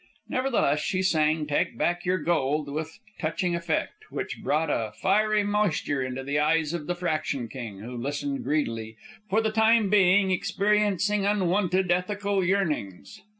Nevertheless she sang "Take Back Your Gold" with touching effect, which brought a fiery moisture into the eyes of the Fraction King, who listened greedily, for the time being experiencing unwonted ethical yearnings.